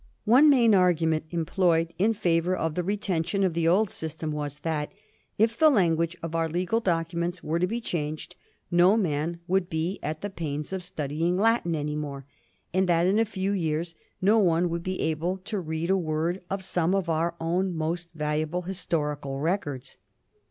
One main argument employed in fiaivour of the retention of the old system was that, if the language of our legal documents were to be changed, no man would be at the pains of studying Latin any more, and that in a few years no one would be able to read a word of some of our own most valuable historical records.